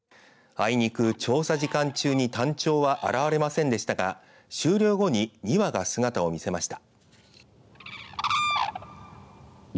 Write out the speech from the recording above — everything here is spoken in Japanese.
あいにく調査時間中にタンチョウは現れませんでしたが終了後に２羽が姿を見せました。